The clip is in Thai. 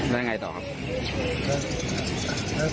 แล้วไงต่อครับ